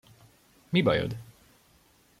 Mi bajod?